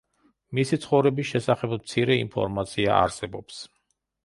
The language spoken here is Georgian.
მისი ცხოვრების შესახებ მცირე ინფორმაცია არსებობს.